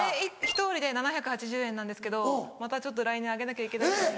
ひと折りで７８０円なんですけどまたちょっと来年上げなきゃいけないかも。